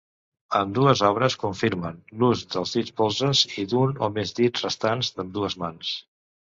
Ambdues obres confirmen l'ús dels dits polzes i d'un o més dits restants d'ambdues mans.